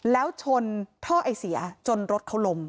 แล้วชนท่อไอเสียจนรถเขาล้ม